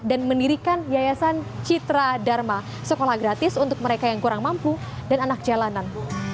dan mendirikan yayasan citra dharma sekolah gratis untuk mereka yang kurang mampu dan anak jalanan